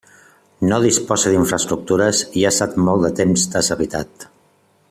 No disposa d'infraestructures i ha estat molt de temps deshabitat.